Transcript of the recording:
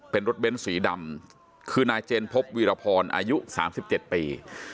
เป็นรถเบ้นสีดำคือนายเจนพบวีรพรอายุ๓๗ปี